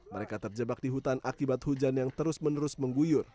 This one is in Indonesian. mereka terjebak di hutan akibat hujan yang terus menerus mengguyur